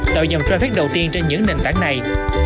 tạo dòng trafic đầu tiên trên những nền tảng này